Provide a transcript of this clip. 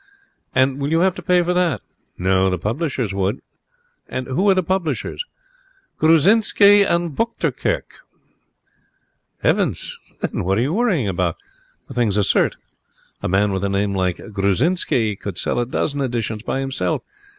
'And will you have to pay for that?' 'No. The publishers would.' 'Who are they?' 'Grusczinsky and Buchterkirch.' 'Heavens, then what are you worrying about? The thing's a cert. A man with a name like Grusczinsky could sell a dozen editions by himself.